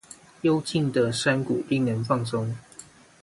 幽靜的山谷令人放鬆